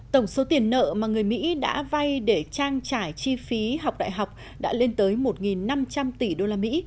tổng số tiền nợ mà người mỹ đã vay để trang trải chi phí học đại học đã lên tới một năm trăm linh tỷ usd